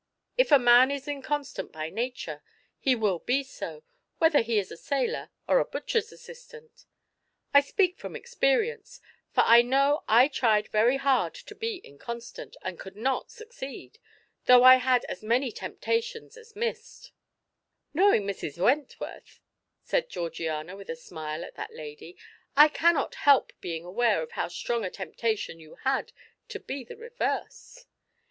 If a man is inconstant by nature, he will be so, whether he is a sailor or a butcher's assistant. I speak from experience, for I know I tried very hard to be inconstant, and could not succeed, though I had as many temptations as mist." "Knowing Mrs. Wentworth," said Georgiana, with a smile at that lady, "I cannot help being aware of how strong a temptation you had to be the reverse."